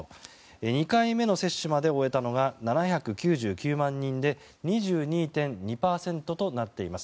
２回目の接種まで終えたのが７９９万人で２２．２％となっています。